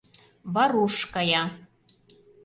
Варуш кая.